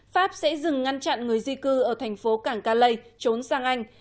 pháp sẽ dừng ngăn chặn người di cư ở thành phố cảng calai trốn sang anh